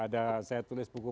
ada saya tulis buku